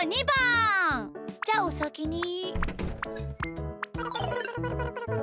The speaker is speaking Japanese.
じゃおさきに。